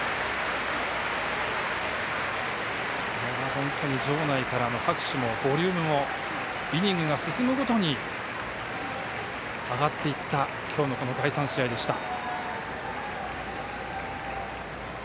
本当に場内からの拍手のボリュームもイニングが進むごとに上がっていった今日の第３試合でした。